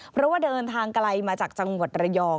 เพราะว่าเดินทางไกลมาจากจังหวัดระยอง